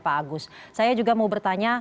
pak agus saya juga mau bertanya